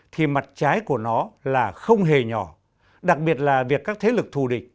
thì mặt trái của nó là không hề nhỏ đặc biệt là việc các thế lực thù địch